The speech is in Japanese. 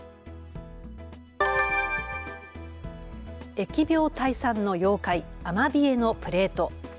疫病退散の妖怪、アマビエのプレート。